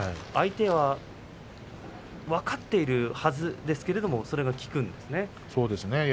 相手は分かっているはずだけどもそれが効くということですね。